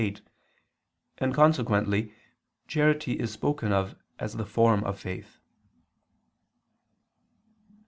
8), and consequently charity is spoken of as the form of faith.